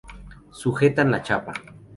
Sujetan la chapa.